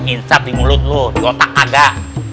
insap di mulut lo di otak kagak